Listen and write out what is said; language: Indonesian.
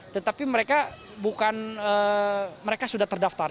tetapi mereka bukan mereka sudah terdaftar